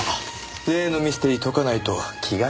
例のミステリー解かないと気が済まないみたいで。